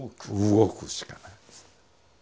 動くしかないです。